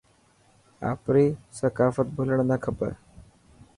آپري ثقافت ڀلڻ نا کپي.